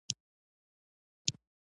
دوی په خطا وتلي یا غلط دي